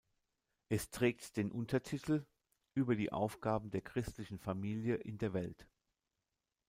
Es trägt den Untertitel „Über die Aufgaben der christlichen Familie in der Welt“.